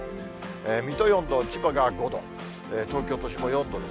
水戸４度、千葉が５度、東京都心も４度です。